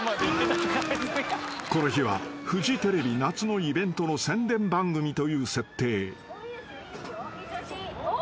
［この日はフジテレビ夏のイベントの宣伝番組という設定］